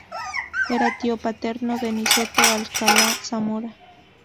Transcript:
Era tío paterno de Niceto Alcalá-Zamora.